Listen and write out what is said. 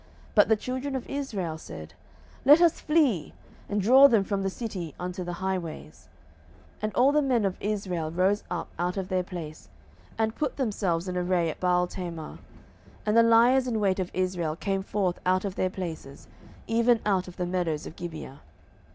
But the children of Israel said, Let us flee, and draw them from the city unto the highways. 07:020:033 And all the men of Israel rose up out of their place, and put themselves in array at Baaltamar: and the liers in wait of Israel came forth out of their places, even out of the meadows of Gibeah.